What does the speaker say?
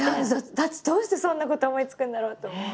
だってどうしてそんなこと思いつくんだろうって。